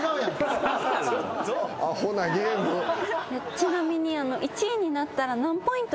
ちなみに。